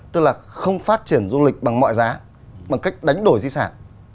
tức là không phát triển du lịch bằng mọi giá bằng cách đánh đổi di sản